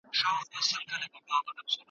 موږ د سياست په اړه نوې نيوکي لولو.